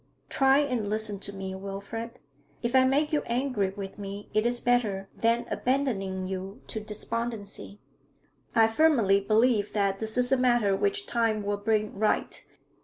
'Try and listen to me, Wilfrid. If I make you angry with me, it is better than abandoning yourself to despondency. I firmly believe that this is a matter which time will bring right.